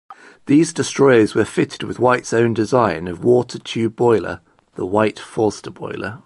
These destroyers were fitted with White's own design of water-tube boiler, the White-Forster boiler.